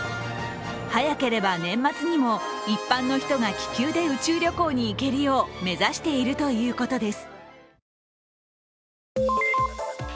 早ければ年末にも一般の人が気球で宇宙旅行に行けるよう目指しているということです。